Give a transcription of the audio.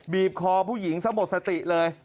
บีบคอผู้หญิงซะหมดสติเลย